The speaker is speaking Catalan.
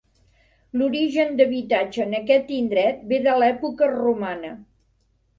L'origen d'habitatge en aquest indret ve de l'època romana.